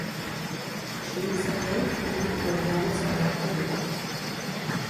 Suhiltzaileek medikuen laguntza beharko dute.